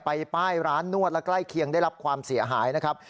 ป้ายร้านนวดและใกล้เคียงได้รับความเสียหายนะครับ